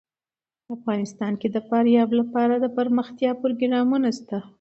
افغانستان کې د فاریاب لپاره دپرمختیا پروګرامونه شته.